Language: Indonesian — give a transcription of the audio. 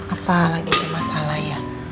apalagi kemasalah ya